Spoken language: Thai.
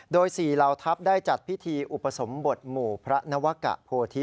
โดย๔เหล่าทัพได้จัดพิธีอุปสมบทหมู่พระนวกะโพธิ